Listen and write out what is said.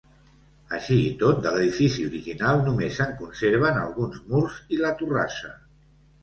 Així i tot, de l'edifici original només se'n conserven alguns murs i la torrassa.